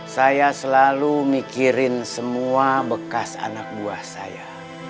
saya selalu mikirin semua bekas anak buah saya